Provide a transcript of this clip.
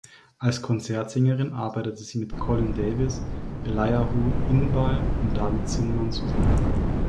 Als Konzertsängerin arbeitet sie mit Colin Davis, Eliahu Inbal und David Zinman zusammen.